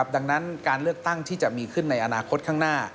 ดังนั้นการเลือกตั้งที่จะมีขึ้นในอนาคตข้างหน้า